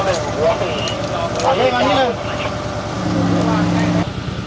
เฮียบนี้ก็แม่โคเชื่อผมนี่